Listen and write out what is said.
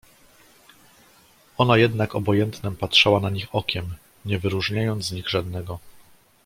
"Ona jednak obojętnem patrzała na nich okiem, nie wyróżniając z nich żadnego."